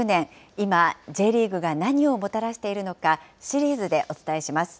今、Ｊリーグが何をもたらしているのか、シリーズでお伝えします。